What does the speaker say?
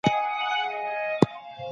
د کارګرانو مهارتونه د روزنې له لاري لوړيږي.